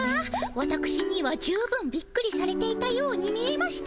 わたくしには十分びっくりされていたように見えましたが。